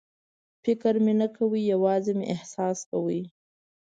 فکر مې نه کاوه، یوازې مې احساس کاوه.